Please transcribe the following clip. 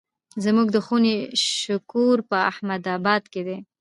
زموږ د خونې شکور په احمد اباد دی.